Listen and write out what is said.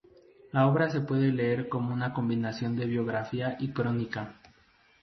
La obra se puede leer como una combinación de biografía y crónica.